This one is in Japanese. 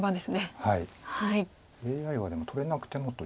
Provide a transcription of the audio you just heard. はい。